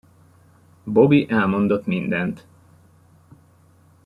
Bobby elmondott mindent.